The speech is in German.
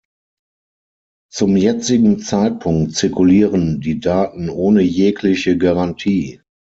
Zum jetzigen Zeitpunkt zirkulieren die Daten ohne jegliche Garantie.